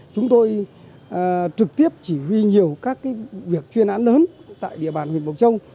chúng tôi trực tiếp chỉ huy nhiều các cái việc chuyên án lớn tại địa bàn huyện bục châu